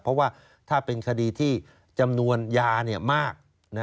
เพราะว่าถ้าเป็นคดีที่จำนวนยามาก